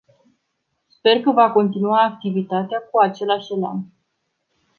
Sper că va continua activitatea cu același elan.